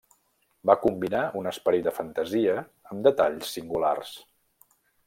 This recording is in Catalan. Va combinar un esperit de fantasia amb detalls singulars.